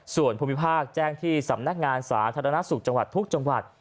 ส่วนภูมิภาคแจ้งที่สำนักงานสาธารณสุขจังหวัดทุกจังหวัด